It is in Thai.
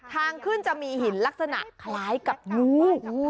ทางขึ้นจะมีหินลักษณะคล้ายกับงู